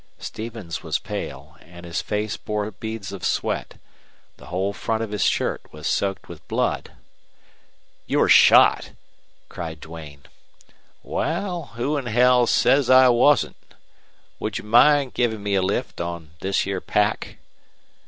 Stevens was pale, and his face bore beads of sweat. The whole front of his shirt was soaked with blood. "You're shot!" cried Duane. "Wal, who 'n hell said I wasn't? Would you mind givin' me a lift on this here pack?"